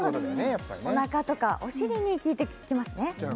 やっぱりねおなかとかお尻に効いてきますねじゃ